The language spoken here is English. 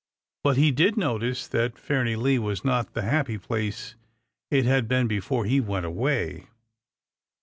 But he did notice that Fairnilee was not the happy place it had been before he went away.